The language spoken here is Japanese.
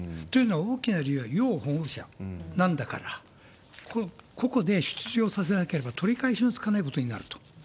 というのは、大きな理由は、要保護者なんだから、ここで出場させなければ取り返しがつかないことになると。